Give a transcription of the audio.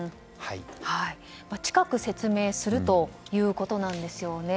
近く説明するということですね。